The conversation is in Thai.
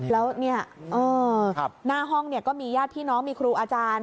แล้วเนี่ยหน้าห้องก็มีญาติพี่น้องมีครูอาจารย์